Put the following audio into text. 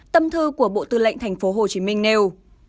tâm thư của bộ tư lệnh thành phố hồ chí minh nêu